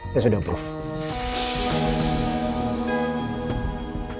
saya sudah approve